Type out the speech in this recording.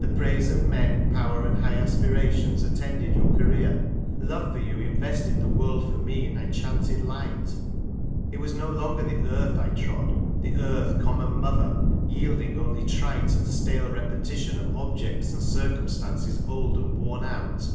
The praise of men, power and high aspira tions attended your career. Love for you invested the world for me in enchanted light ; it was rio longer the earth I trod — the earth common mother, yielding only trite and stale repetition of objects and circumstances old and worn out.